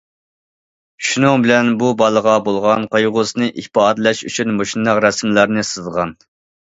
شۇنىڭ بىلەن بۇ بالىغا بولغان قايغۇسىنى ئىپادىلەش ئۈچۈن مۇشۇنداق رەسىملەرنى سىزغان.